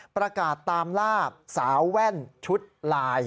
ประกาศตามล่าสาวแว่นชุดลาย